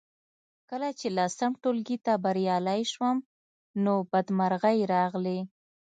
کله چې لسم ټولګي ته بریالۍ شوم نو بدمرغۍ راغلې